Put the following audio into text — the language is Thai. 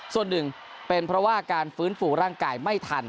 ส่วนหนึ่งเป็นเพราะว่าการฟื้นฟูร่างกายไม่ทัน